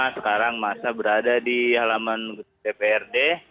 sekarang masa berada di halaman dprd